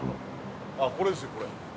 ◆あっ、これですよ、これ。